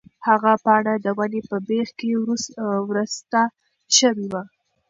هغه پاڼه د ونې په بېخ کې ورسته شوې وه.